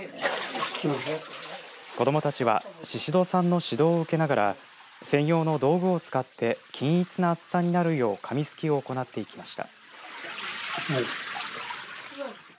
子どもたちは宍戸さんの指導を受けながら専用の道具を使って均一な厚さになるよう紙すきを行っていきました。